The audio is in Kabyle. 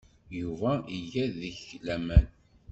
Yuba iga deg-k laman.